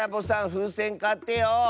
ふうせんかってよ。